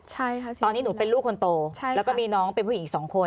ใช่ค่ะตอนนี้หนูเป็นลูกคนโตแล้วก็มีน้องเป็นผู้หญิงอีกสองคน